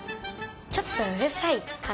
ちょっとうるさいかな。